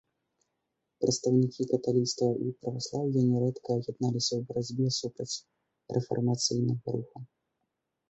Прадстаўнікі каталіцтва і праваслаўя нярэдка ядналіся ў барацьбе супраць рэфармацыйнага руху.